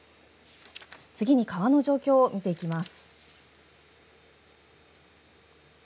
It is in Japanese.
次に川の状況を見ていきます。